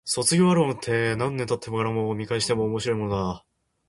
卒業アルバムって、何年経ってから見返しても面白いものだ。